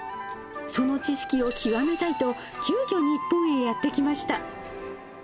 その知識を極めたいと、急きょ、日本へやって来ました。